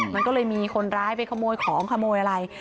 มันก็เลยมีคนร้ายไปขโมยของขโมยอะไร